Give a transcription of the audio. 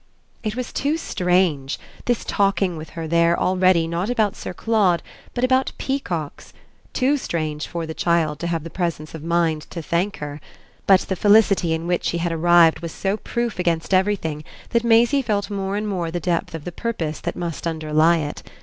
It was too strange, this talking with her there already not about Sir Claude but about peacocks too strange for the child to have the presence of mind to thank her. But the felicity in which she had arrived was so proof against everything that Maisie felt more and more the depth of the purpose that must underlie it.